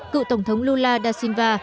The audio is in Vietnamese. cựu tổng thống lula da silva